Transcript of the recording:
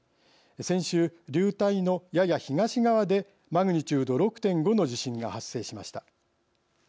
先週、流体のやや東側でマグニチュード６．５の地震が発生しました。